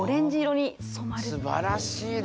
すばらしいですね。